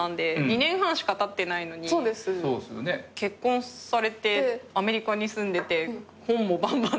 ２年半しかたってないのに結婚されてアメリカに住んでて本もばんばん出て。